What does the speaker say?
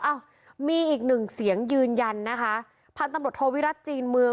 อ้าวมีอีกหนึ่งเสียงยืนยันนะคะพันธุ์ตำรวจโทวิรัติจีนเมือง